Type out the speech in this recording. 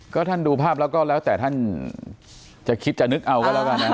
ก็ท่านดูภาพแล้วก็แล้วแต่ท่านจะคิดจะนึกเอาก็แล้วกันนะ